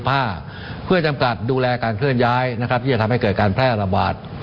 เพื่อจำกัดดูแลการเคลื่อนย้ายนะครับที่จะทำให้เกิดการแพร่ระบาด